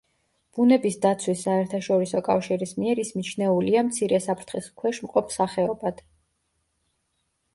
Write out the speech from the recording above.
ბუნების დაცვის საერთაშორისო კავშირის მიერ ის მიჩნეულია მცირე საფრთხის ქვეშ მყოფ სახეობად.